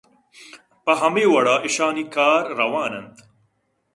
پہ ہمے وڑا ایشانی کار روان اَنت